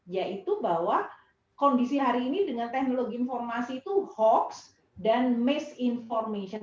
yaitu bahwa kondisi hari ini dengan teknologi informasi itu hoax dan misinformation